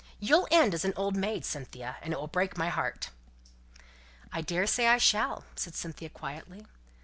You'll end as an old maid, Cynthia, and it will break my heart." "I daresay I shall," said Cynthia, quietly.